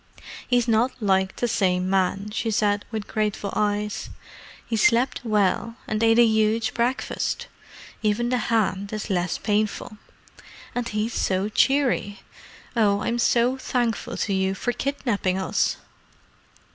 "He's not like the same man," she said, with grateful eyes. "He slept well, and ate a huge breakfast: even the hand is less painful. And he's so cheery. Oh, I'm so thankful to you for kidnapping us!"